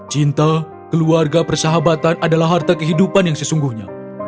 cinta keluarga persahabatan adalah harta kehidupan yang sesungguhnya